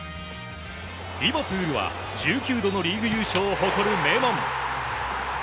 リバプールは１９度のリーグ優勝を誇る名門。